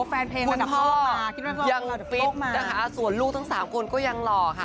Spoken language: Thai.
แฟนเพลงอันดับโลกมาคิดว่าอันดับโลกมาคุณพ่อยังฟิตนะคะส่วนลูกทั้ง๓คนก็ยังหล่อค่ะ